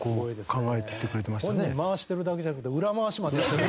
本人回してるだけじゃなくて裏回しまで。